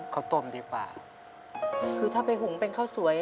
เขาต้มดีกว่า